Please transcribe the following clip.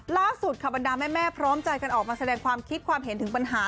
ล่าสุดค่ะบรรดาแม่พร้อมใจกันออกมาแสดงความคิดความเห็นถึงปัญหา